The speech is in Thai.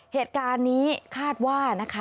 เหตุการณ์นี้คาดว่า